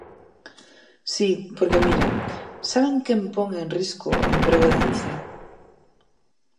Si, porque miren: ¿saben quen pon en risco o emprego de Ence?